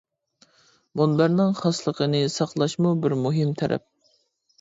مۇنبەرنىڭ خاسلىقىنى ساقلاشمۇ بىر مۇھىم تەرەپ.